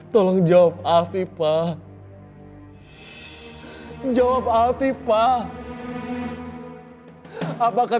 semoga afif gak menyesal papa